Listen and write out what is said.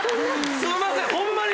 すんませんホンマに！